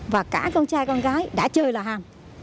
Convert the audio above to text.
và cả con trai con gái đã chơi là hàm